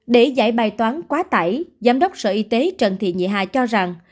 để giải bài toán quá tải giám đốc sở y tế trần thị nhị hà cho rằng